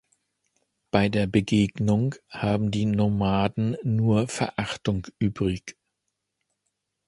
Bei der Begegnung haben die Nomaden nur Verachtung übrig.